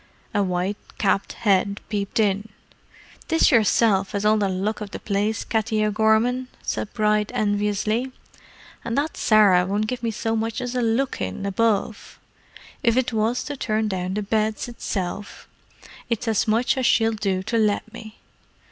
A white capped head peeped in. "'Tis yersilf has all the luck of the place, Katty O'Gorman!" said Bride enviously. "An' that Sarah won't give me so much as a look in, above: if it was to turn down the beds, itself, it's as much as she'll do to let me.